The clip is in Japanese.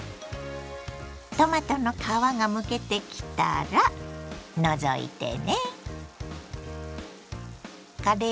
トマトの皮がむけてきたら除いてね。